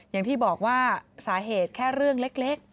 อย่างที่บอกว่าสาเหตุแค่เรื่องเล็ก